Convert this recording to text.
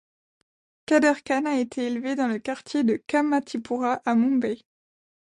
Kader Khan a été élevé dans le quartier de Kamathipura à Mumbai.